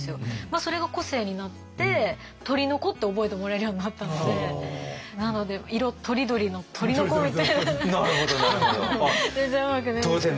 それが個性になって鳥の娘って覚えてもらえるようになったのでなので「色とりどり」の「鳥の娘」みたいな。なるほどなるほど。